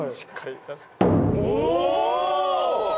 お！